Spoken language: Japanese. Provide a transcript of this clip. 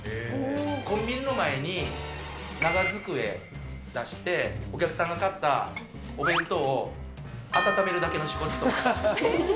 コンビニの前に長机出して、お客さんが買ったお弁当を温めるだけの仕事とか。